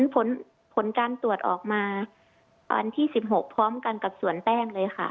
ผลการตรวจออกมาวันที่๑๖พร้อมกันกับสวนแป้งเลยค่ะ